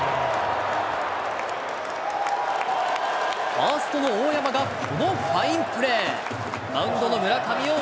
ファーストの大山がこのファインプレー。